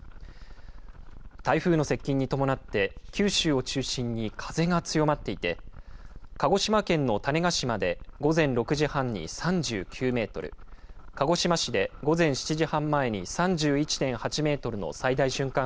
台風の接近に伴って、九州を中心に風が強まっていて、鹿児島県の種子島で午前６時半に３９メートル、鹿児島市で午前７時半前に３１．８メートルの最大瞬間